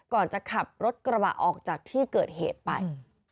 ก่อนจะขับรถกระบะออกจากที่เกิดเหตุไป